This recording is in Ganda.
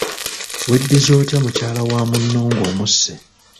Weddiza otya mukyala wa munno ng'omusse?